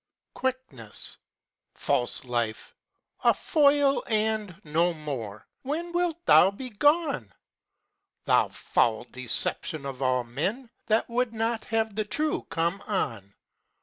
330 Quickness j^ J^ False life ! a foil and no more, when Wilt thou be gone? Thou foul deception of all men That would not have the true come on!